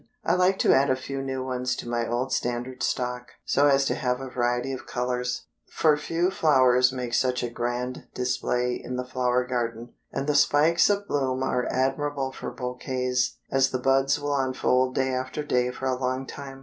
I like to add a few new ones to my old standard stock, so as to have a variety of colors, for few flowers make such a grand display in the flower garden, and the spikes of bloom are admirable for bouquets, as the buds will unfold day after day for a long time.